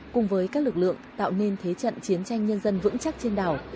cùng với các lực lượng tạo nên thế trận chiến tranh nhân dân vững chắc trên đảo